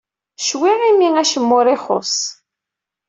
Ccwi imi acemma ur ixuṣṣ.